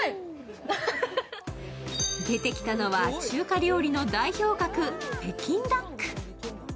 出てきたのは中華料理の代表格・北京ダック。